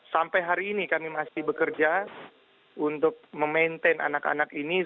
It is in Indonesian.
sampai hari ini kami masih bekerja untuk memaintain anak anak ini